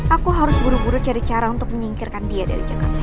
aku harus buru buru cari cara untuk menyingkirkan dia dari jakarta